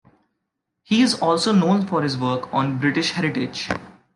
He is also known for his work on British heritage.